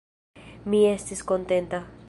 Mi estis kontenta.